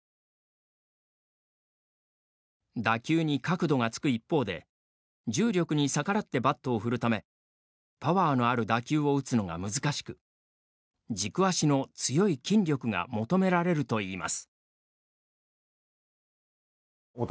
打球に角度がつく一方で重力に逆らってバットを振るためパワーのある打球を打つのが難しく、軸足の強い筋力が求められるといいます。